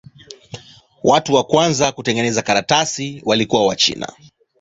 Watu wa kwanza kutengeneza karatasi walikuwa Wachina.